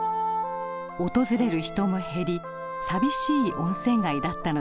訪れる人も減り寂しい温泉街だったのです。